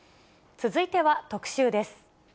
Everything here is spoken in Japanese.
続いては特集です。